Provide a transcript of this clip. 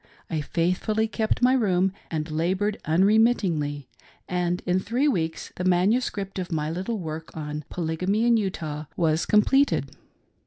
I faithfully kept my room and labored unremittingly ; and in three weeks the manuscript of my little work on " Polygamy in Utah/' was completed.